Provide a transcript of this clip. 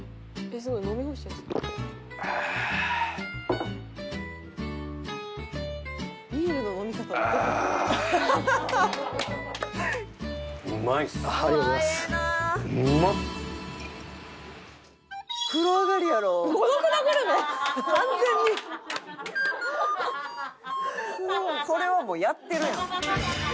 「すごい」「これはもうやってるやん」